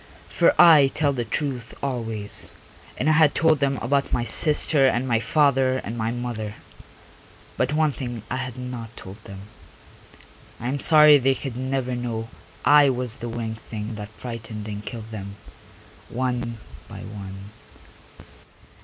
For I tell the truth always, and I had told them about my sister and my father and my mother. But one thing I had not told them. I am sorry they could never know I was the winged thing that frightened and killed them, one by one....